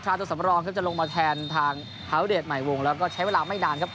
ตัวสำรองครับจะลงมาแทนทางฮาวเดชใหม่วงแล้วก็ใช้เวลาไม่นานครับ